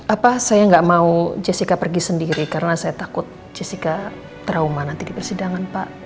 apa saya nggak mau jessica pergi sendiri karena saya takut jessica trauma nanti di persidangan pak